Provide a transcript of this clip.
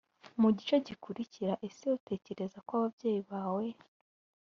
mu gice gikurikira ese utekereza ko ababyeyi bawe